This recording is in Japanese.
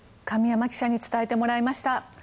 神山記者に伝えてもらいました。